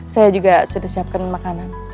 saya juga sudah siapkan makanan